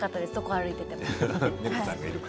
歩いていて。